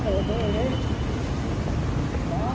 คุณอยู่ในโรงพยาบาลนะ